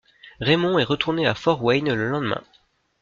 Raymond est retourné à Fort Wayne le lendemain.